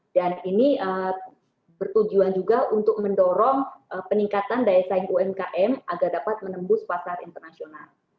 dan ini bertujuan juga untuk mendorong peningkatan daya saing umkm agar dapat menembus pasar internasional